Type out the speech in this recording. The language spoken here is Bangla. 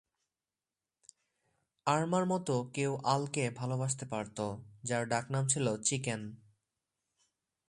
আরমার মত কেউ আলকে ভালবাসতে পারত, যার ডাকনাম ছিল "চিকেন"।